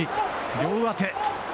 両上手。